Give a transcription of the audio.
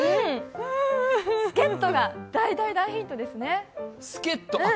助っとが大大大ヒントですね。